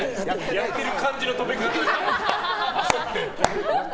やってる感じの止め方でしたよ。